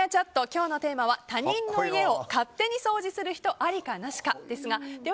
今日のテーマは他人の家を勝手に掃除する人ありかなしかですがで